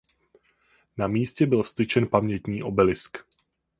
Na místě byl vztyčen pamětní obelisk.